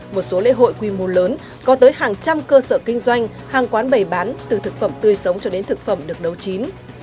một số lễ hội quy mô lớn có tới hàng trăm cơ sở kinh doanh hàng quán bày bán từ thực phẩm tươi sống cho đến thực phẩm được nấu chín